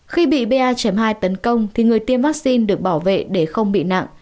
khi bị ba hai tấn công thì người tiêm vaccine được bảo vệ để không bị nặng